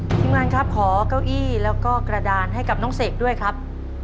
ทีมงานครับขอเก้าอี้แล้วก็กระดานให้กับน้องเสกด้วยครับ